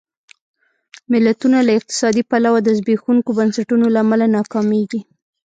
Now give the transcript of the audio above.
ملتونه له اقتصادي پلوه د زبېښونکو بنسټونو له امله ناکامېږي.